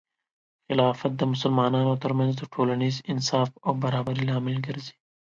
خلافت د مسلمانانو ترمنځ د ټولنیز انصاف او برابري لامل ګرځي.